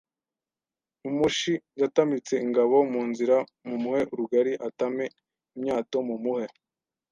Umushi yatamitse ingabo mu nzira Mumuhe rugari atame imyato Mumuhe